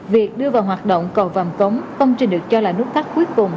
việc đưa vào hoạt động cầu vàm cống công trình được cho là nút thắt cuối cùng